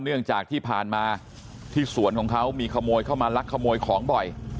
เนื่องจากที่ผ่านมาที่สวนของเขามีขโมยเข้ามาลักขโมยของบ่อย